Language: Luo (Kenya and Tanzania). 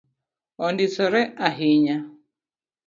Ondisore ahinya